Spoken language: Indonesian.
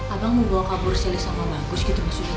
abang membawa kabur selesama bagus gitu maksudnya terus